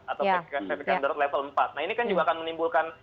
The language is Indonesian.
atau ppkm darurat level empat nah ini kan juga akan menimbulkan